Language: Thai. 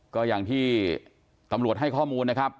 ก็อย่างที่ตำรวจให้ข้อมูลนะครับ